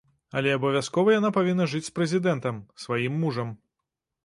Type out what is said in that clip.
Але абавязкова яна павінна жыць з прэзідэнтам, сваім мужам.